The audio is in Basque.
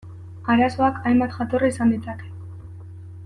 Arazoak hainbat jatorri izan ditzake.